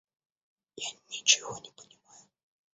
Я ничего не понимаю.